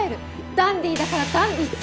ダンディーだからダンディ坂野！